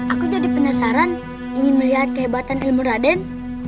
aku jadi penasaran ingin melihat kehebatan ilmu raden